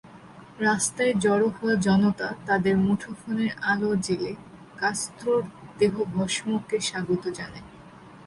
রাস্তায় জড়ো হওয়া জনতা তাদের মুঠোফোনের আলো জ্বেলে কাস্ত্রোর দেহভস্মকে স্বাগত জানায়।